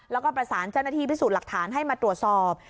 แล้วก็ประสานเจ้าหน้าที่พิสูจน์หลักฐานให้มาตรวจสอบ